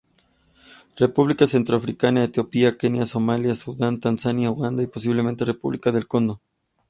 República Centroafricana, Etiopía, Kenia, Somalia, Sudán, Tanzania, Uganda, y, posiblemente, República del Congo.